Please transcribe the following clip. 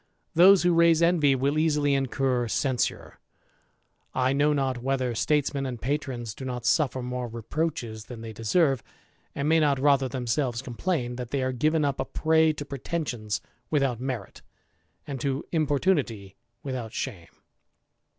Those who raise envy will easily incur censure. I know not whether statesmen and patrons do not suffer more reproaches than they deserve, and may na^ rather themselves complain, that they are given up a prey to pretensions without merit, and to importunity without shame.